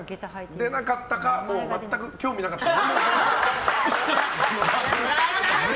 出なかったか全く興味なかったか。